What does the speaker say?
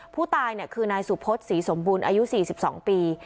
ผู้ตายคือนายสุพศศรีสมบูรณ์อายุ๔๒ปี